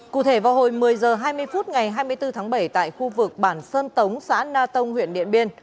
cụ thể vào hồi một mươi h hai mươi phút ngày hai mươi bốn tháng bảy tại khu vực bản sơn tống xã na tông huyện điện biên